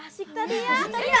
asyik dari ya